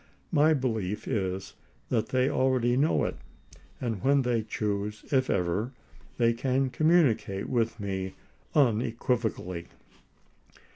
My belief is that they already know it; and when they choose, if ever, they can communicate with me unequiv ocally.